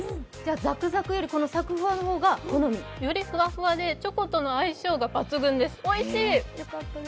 ザクザクよりさくふわの方が好み？よりふわふわでチョコとの相性が抜群です、おいしい。